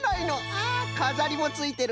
あかざりもついてる。